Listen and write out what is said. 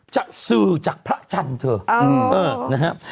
จะซื้อจากพระจันทร์เถอะ